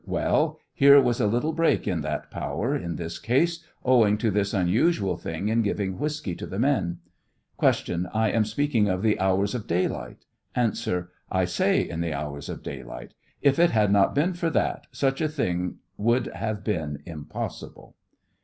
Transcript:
Well, here was a little break in that power, in this ease, owing to this unusual thing in giving whiskey to the men. Q. I am speaking of the hours of daylight ? A. I say in the hours of daylight; if it "had not been for that such a thing would have been impossible.